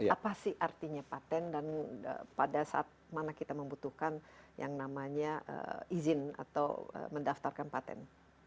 apa sih artinya paten dan pada saat mana kita membutuhkan yang namanya izin atau mendaftarkan paten